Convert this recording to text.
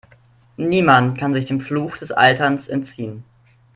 Niemand kann sich dem Fluch des Alterns entziehen.